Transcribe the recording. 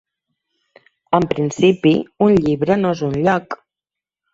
En principi un llibre no és un lloc.